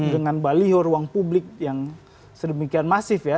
dengan bali huruang publik yang sedemikian masif ya